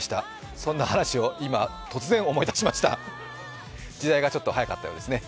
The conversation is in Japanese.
そんな話を今、突然思い出しました時代がちょっと早かったようですね。